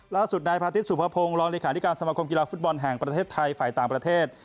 ล่าสุดนายพาทิตยสุภพงศ์รองเลขาธิการสมคมกีฬาฟุตบอลแห่งประเทศไทยฝ่ายต่างประเทศ